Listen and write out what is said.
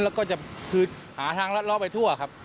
แล้วก็จะหาทางรอดไปทั่วครับ